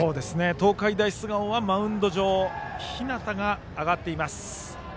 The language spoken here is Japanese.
東海大菅生はマウンド上に日當が上がっています。